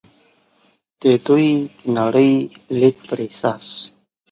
د دوی د نړۍ لید پر اساس.